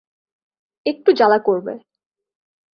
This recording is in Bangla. একটু জ্বালা করবে।